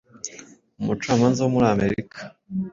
Umucamanza wo muri Amerika